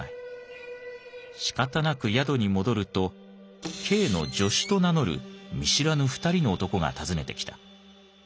しかたなく宿に戻るとＫの助手と名乗る見知らぬ２人の男が訪ねてきた。